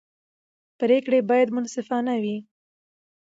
پرېکړې باید منصفانه وي